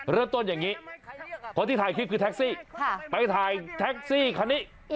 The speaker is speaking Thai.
เริ่มต้นอย่างนี้คนที่ถ่ายคลิปคือแท็กซี่ไปถ่ายแท็กซี่คันนี้